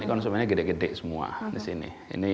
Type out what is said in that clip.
ini konsumennya gede gede semua di sini